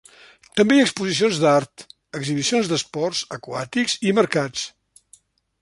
També hi ha exposicions d'art, exhibicions d'esports aquàtics i mercats.